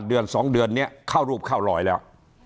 เดือน๒เดือนนี้เข้ารูปเข้ารอยแล้ว